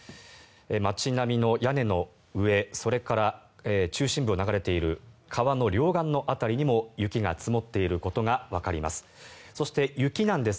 街並みの屋根の上それから中心部を流れている川の両岸の辺りにも雪が積もっていることがわかります。